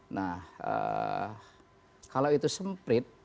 nah kalau itu semprit